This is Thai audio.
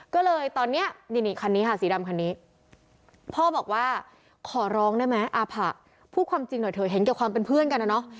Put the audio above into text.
ก็เลยตอนนี้นี่คันนี้ค่ะสีดำคันนี้พ่อบอกว่าขอร้องได้ไหมอาผะพูดความจริงหน่อยเถอะเห็นเกี่ยวความเป็นเพื่อนกันนะเนาะ